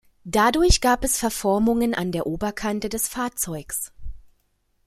Dadurch gab es Verformungen an der Oberkante des Fahrzeugs.